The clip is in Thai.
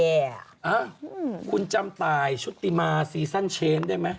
อ่ะคุณจำตายชุติมาซีซั่นเชฟได้ไหม